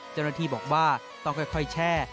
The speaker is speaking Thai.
เจ้าหน้าที่บอกว่าต้องค่อยแช่